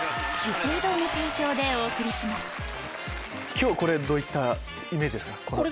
今日どういったイメージですか？